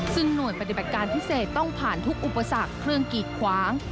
ซึ่งหน่วยปฏิบัติการพิเศษต้องผ่านทุกอุปสรรคเครื่องกีดขวาง